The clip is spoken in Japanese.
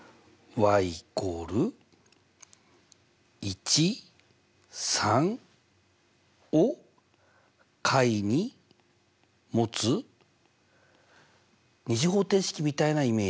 ＝１３を解に持つ２次方程式みたいなイメージ。